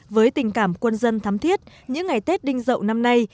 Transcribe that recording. với tình cảm quân dân thắm thiết những ngày tết đình rộng năm nay